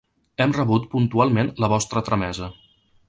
Hem rebut puntualment la vostra tramesa.